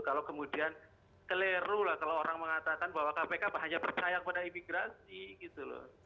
kalau kemudian keliru lah kalau orang mengatakan bahwa kpk hanya percaya kepada imigrasi gitu loh